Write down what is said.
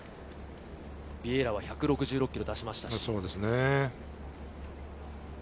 ビエイラは１６６キロを出しました。